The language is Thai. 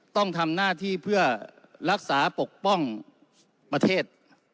ต้องทำหน้าที่เพื่อรักษาปกป้องประเทศ